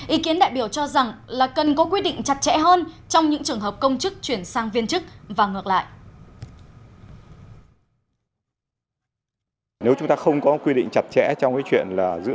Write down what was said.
ý kiến đại biểu cho rằng là cần có quy định chặt chẽ hơn trong những trường hợp công chức chuyển sang viên chức và ngược lại